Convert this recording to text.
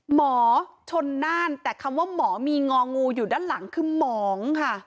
หมอชนน่านแต่คำว่าหมอมีงองูอยู่ด้านหลังคือหมองค่ะ